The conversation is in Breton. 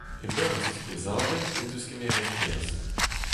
E meur a ziskouezadeg en deus kemeret perzh.